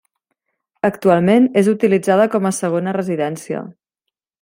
Actualment és utilitzada com a segona residència.